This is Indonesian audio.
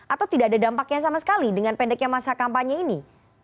atau tidak ada dampaknya sama sekali dengan pendeknya masa kampanye ini